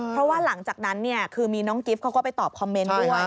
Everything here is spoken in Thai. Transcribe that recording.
เพราะว่าหลังจากนั้นเนี่ยคือมีน้องกิฟต์เขาก็ไปตอบคอมเมนต์ด้วย